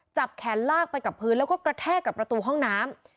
จับแขนลากไปกับพื้นแล้วก็กระแทกกับประตูห้องน้ำ